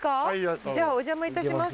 じゃあお邪魔いたします。